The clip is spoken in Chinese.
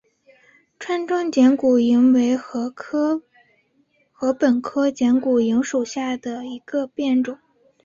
川中剪股颖为禾本科剪股颖属下的一个变种。